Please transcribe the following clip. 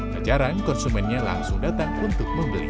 tak jarang konsumennya langsung datang untuk membeli